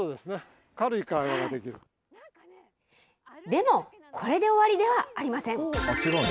でも、これで終わりではありません。